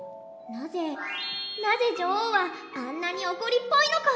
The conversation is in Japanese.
なぜなぜ女王はあんなに怒りっぽいのか。